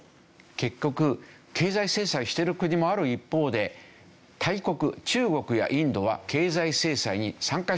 結局経済制裁をしている国もある一方で大国中国やインドは経済制裁に参加していないんですよ。